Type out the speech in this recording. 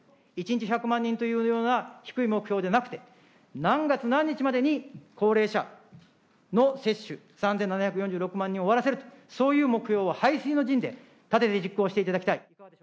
１日１００万人というような低い目標じゃなくて、何月何日までに高齢者の接種、３７４６万人を終わらせるという、そういう目標を背水の陣で立てて実行していただきたい。